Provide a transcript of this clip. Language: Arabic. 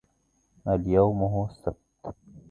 اليوم هو السبت